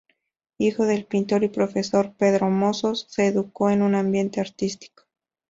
Hijo del pintor y profesor Pedro Mozos, se educó en un ambiente artístico.